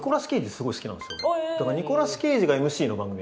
すごい好きなんですよ。